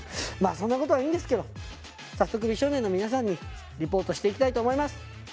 まあそんなことはいいんですけど早速美少年の皆さんにリポートしていきたいと思います。